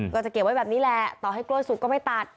ก็จะเก็บไว้แบบนี้แหละต่อให้กล้วยสุกก็ไม่ตัด